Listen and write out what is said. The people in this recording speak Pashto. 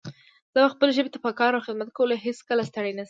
زه به خپلې ژبې ته په کار او خدمت کولو هيڅکله ستړی نه شم